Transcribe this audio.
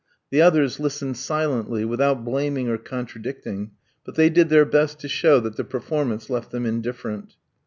The others listened silently, without blaming or contradicting, but they did their best to show that the performance left them indifferent.